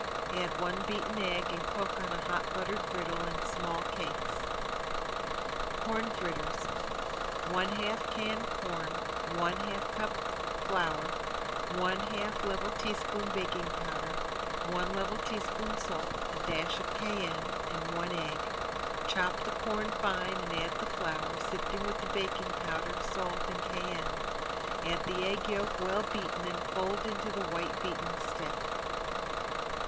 Add one beaten egg and cook on a hot buttered griddle in small cakes. ~CORN FRITTERS~ One half can corn, one half cup flour, one half level teaspoon baking powder, one level teaspoon salt, a dash of cayenne and one egg. Chop the corn fine and add the flour, sifted with the baking powder, salt and cayenne. Add the egg yolk, well beaten and fold in the white beaten stiff.